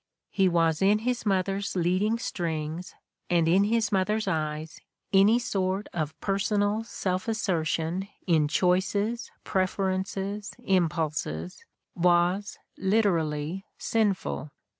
He was in his mother's leading strings, and in his mother's eyes any sort of personal self assertion in choices, preferences, impulses was, literally, sinful.